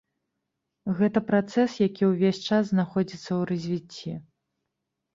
Гэта працэс, які ўвесь час знаходзіцца ў развіцці.